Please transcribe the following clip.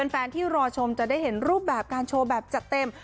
แฟนที่รอชมจะได้เห็นรูปแบบการโชว์แบบจัดเต็ม